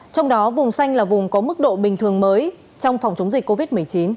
trong đó vùng xanh là vùng có mức độ bình thường mới trong phòng chống dịch covid một mươi chín